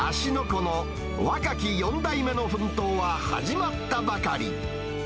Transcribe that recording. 湖の若き４代目の奮闘は始まったばかり。